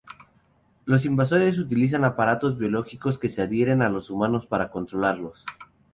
Los invasores utilizan aparatos biológicos que se adhieren a los humanos para controlarlos.